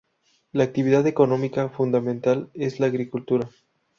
La actividad económica fundamental es la agricultura.